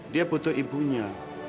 dia butuh ibunya